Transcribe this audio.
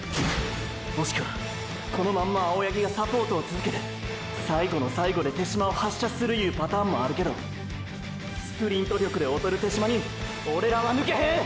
もしくはこのまんま青八木がサポートを続けて最後の最後で手嶋を発射するゆうパターンもあるけどーースプリント力で劣る手嶋にオレらは抜けへん！！